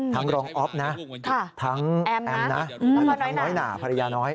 ทั้งรองอ๊อฟนะทั้งแอมนะทั้งน้อยหน่าภรรยาน้อย